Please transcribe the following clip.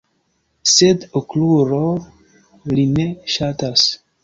Sed Okrulo, ri ne ŝatas.